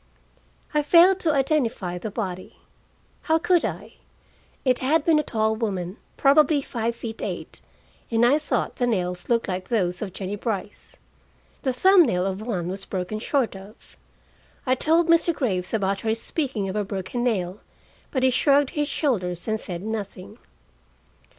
I failed to identify the body. How could I? It had been a tall woman, probably five feet eight, and I thought the nails looked like those of Jennie Brice. The thumb nail of one was broken short off. I told Mr. Graves about her speaking of a broken nail, but he shrugged his shoulders and said nothing.